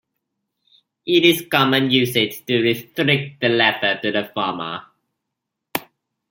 It is common usage to restrict the letter to the former.